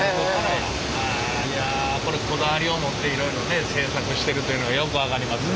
いやこれこだわりを持っていろいろね製作してるというのがよく分かります！